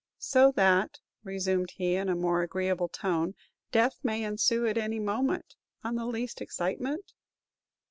So that," resumed he, in a more agreeable tone, "death may ensue at any moment on the least excitement?"